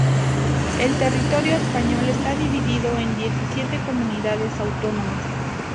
El territorio español está dividido en diecisiete comunidades autónomas.